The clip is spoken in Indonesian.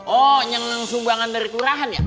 oh yang sumbangan dari kelurahan ya